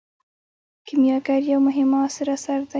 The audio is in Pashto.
کیمیاګر یو مهم معاصر اثر دی.